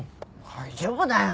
大丈夫だよ。